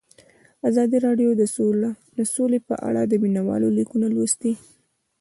ازادي راډیو د سوله په اړه د مینه والو لیکونه لوستي.